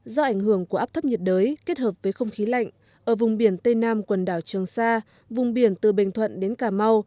do ảnh hưởng của áp thấp nhiệt đới kết hợp với không khí lạnh ở vùng biển tây nam quần đảo trường sa vùng biển từ bình thuận đến cà mau